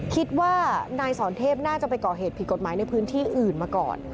คิดว่านายสอนเทพน่าจะไปก่อเหตุผิดกฎหมายในพื้นที่อื่นมาก่อน